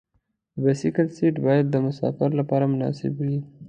د بایسکل سیټ باید د مسافر لپاره مناسب وي.